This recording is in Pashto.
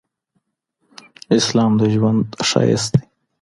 اسلام د ږوند شایست دي